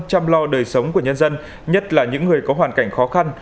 chăm lo đời sống của nhân dân nhất là những người có hoàn cảnh khó khăn